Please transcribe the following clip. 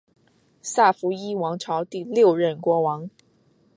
萨伏伊王朝第六任国王。